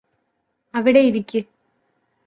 അവിടെ ഇരിക്ക്